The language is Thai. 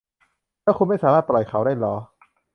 และคุณไม่สามารถปล่อยเขาได้หรอ